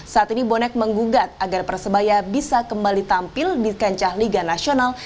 saat ini bonek menggugat agar persebaya bisa kembali tampil di kancah liga nasional